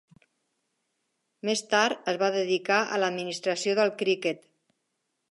Més tard es va dedicar a l'administració del criquet.